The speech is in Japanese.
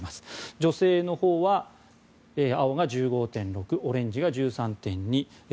女性のほうは青が１５．６オレンジが１３．２